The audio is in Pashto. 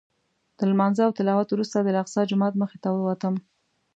تر لمانځه او تلاوت وروسته د الاقصی جومات مخې ته ووتم.